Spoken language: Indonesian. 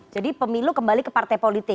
jadi pemilu kembali ke partai politik